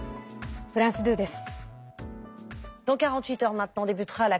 フランス２です。